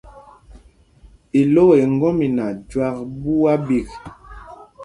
Ilɔ́a í ŋgɔ́mina jüak ɓuá ɓîk.